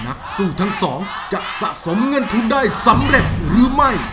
นักสู้ทั้งสองจะสะสมเงินทุนได้สำเร็จหรือไม่